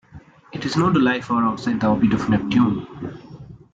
It is known to lie far outside the orbit of Neptune.